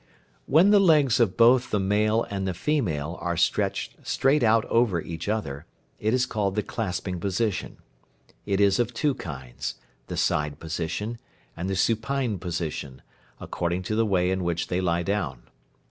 When the legs of both the male and the female are stretched straight out over each other, it is called the "clasping position." It is of two kinds, the side position and the supine position, according to the way in which they lie down.